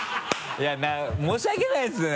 いや申し訳ないですね